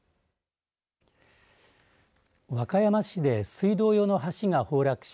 和歌山市で水道用の橋が崩落し